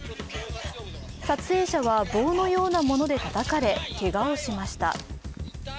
撮影者は棒のようなものでたたかれ、けがをしました。